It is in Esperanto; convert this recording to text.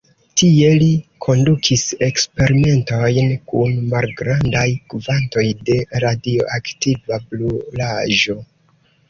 Tie li kondukis eksperimentojn kun malgrandaj kvantoj de radioaktiva brulaĵo.